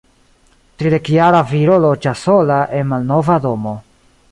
Tridekjara viro loĝas sola, en malnova domo.